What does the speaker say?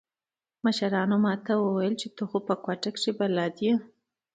مشرانو ما ته وويل چې ته خو په کوټه کښې بلد يې.